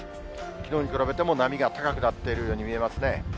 きのうに比べても波が高くなっているように見えますね。